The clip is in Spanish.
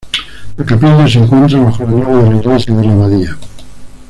La capilla se encuentra bajo la nave de la iglesia de la abadía.